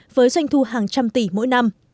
với doanh thu hàng trăm tỷ mỗi năm